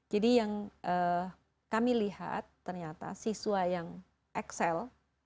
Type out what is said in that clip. jadi yang kami lihat ternyata siswa yang excel